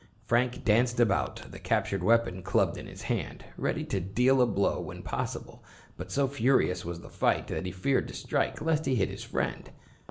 Frank danced about, the captured weapon clubbed in his hand, ready to deal a blow when possible. But so furious was the fight that he feared to strike, lest he hit his friend.